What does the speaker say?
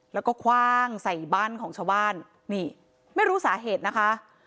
แล้วก็คว่างใส่บ้านของชาวบ้านนี่ไม่รู้สาเหตุนะคะ